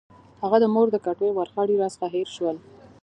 هغه د مور د کټوۍ ورخاړي راڅخه هېر شول.